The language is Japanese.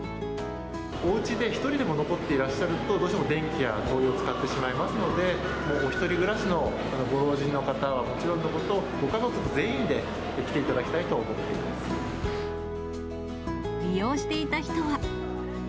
おうちで１人でも残っていらっしゃると、どうしても電気や灯油を使ってしまいますので、お一人暮らしのご老人の方はもちろんのこと、ご家族全員で来てい利用していた人は。